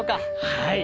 はい！